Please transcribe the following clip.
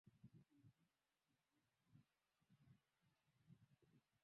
Yeye ni mpishi katika mgahawa wa daraja la nne.